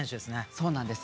そうなんです。